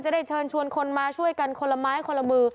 ได้เชิญชวนคนมาช่วยกันคนละไม้คนละมือ